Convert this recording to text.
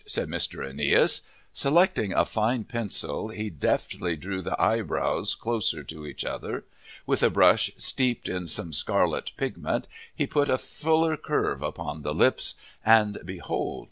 said Mr. Aeneas. Selecting a fine pencil, he deftly drew the eyebrows closer to each other. With a brush steeped in some scarlet pigment, he put a fuller curve upon the lips. And behold!